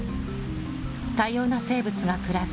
多様な生物が暮らす